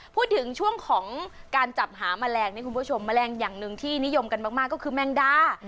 พูดถึงช่วงของการจับหาแมลงนี่คุณผู้ชมแมลงอย่างหนึ่งที่นิยมกันมากก็คือแมงดา